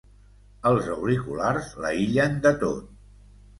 Els auriculars l'aïllen de tot.